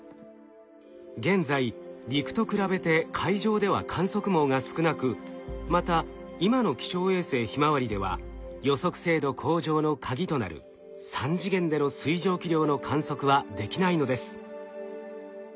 現在陸と比べて海上では観測網が少なくまた今の気象衛星ひまわりでは予測精度向上のカギとなる３次元での水蒸気量の観測はできないのです。